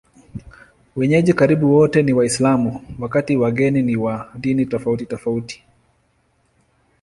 Wenyeji karibu wote ni Waislamu, wakati wageni ni wa dini tofautitofauti.